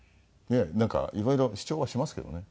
いやなんかいろいろ主張はしますけどね。